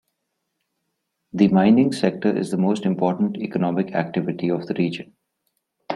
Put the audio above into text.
The mining sector is the most important economic activity of the region.